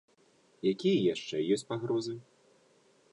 Якія яшчэ ёсць пагрозы?